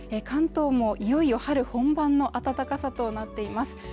関東もいよいよ春本番の暖かさとなっています